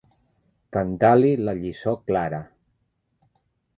Cantar-li la lliçó clara.